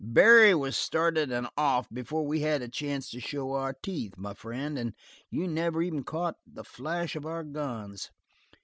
Barry was started and off before we had a chance to show teeth, my friend, and you never even caught the flash of our guns.